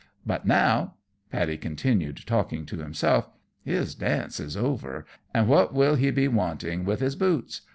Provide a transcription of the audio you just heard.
But now," Paddy continued, talking to himself, "his dance is over, and what will he be wanting with his boots?